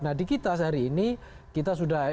nah di kita sehari ini kita sudah